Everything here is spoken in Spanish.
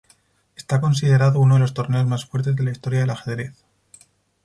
Está considerado uno de los torneos más fuertes de la historia del ajedrez.